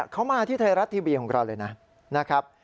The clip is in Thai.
เขามาที่ไทยรัตน์ทีวีของเราเลยนะ